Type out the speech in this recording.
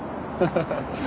ハハハハ。